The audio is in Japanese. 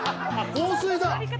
香水だ！